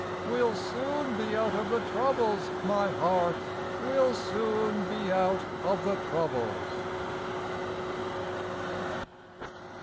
We'll soon be out of the troubles, My heart! We'll soon be out of the troubles!"